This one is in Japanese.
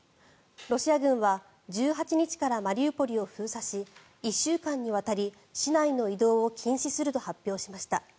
ロシア軍は１８日からマリウポリを封鎖し１週間にわたり市内の移動を禁止すると発表しました。